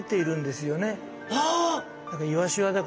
ああ。